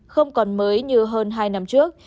không còn mới như hơn hai năm trước